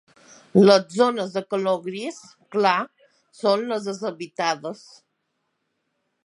Les zones de color gris clar són les deshabitades.